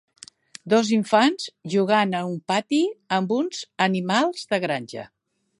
Dos infants jugant en un pati amb uns animals de granja.